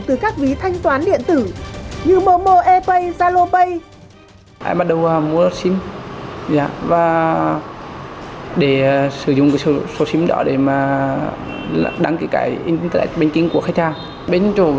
dịch vụ thanh toán điện tử